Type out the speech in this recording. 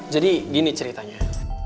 jadi gini ceritanya